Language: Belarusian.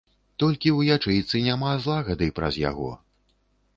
Толькі ў ячэйцы няма злагады праз яго.